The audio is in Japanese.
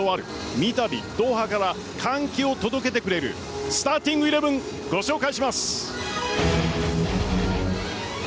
みたびドーハから歓喜を届けてくれるスターティングイレブンご紹介します。